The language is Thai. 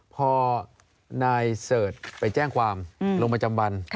พอนายเสิร์ชไปแจ้งความลงประจำวัน